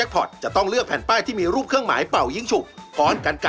๓ท่านนี้ใครคือนักพ่อกายตัวจริง